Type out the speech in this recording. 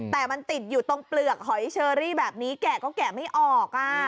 แต่มันติดอยู่ตรงเปลือกหอยเชอรี่แบบนี้แกะก็แกะไม่ออก